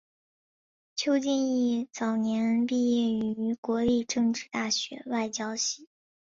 邱进益早年毕业于国立政治大学外交系。